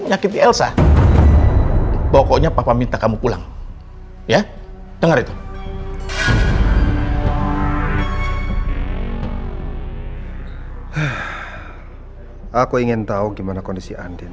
nyakiti elsa pokoknya papa minta kamu pulang ya dengar itu aku ingin tahu gimana kondisi andi